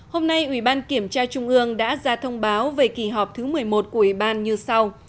hôm nay ủy ban kiểm tra trung ương đã ra thông báo về kỳ họp thứ một mươi một của ủy ban như sau